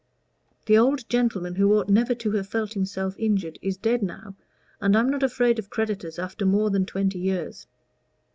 "The old gentleman, who ought never to have felt himself injured, is dead now, and I'm not afraid of creditors after more than twenty years."